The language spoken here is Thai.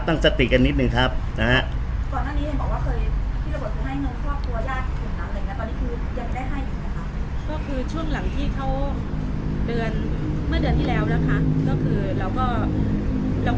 ตั้งสติกันนิดนึงครับนะฮะ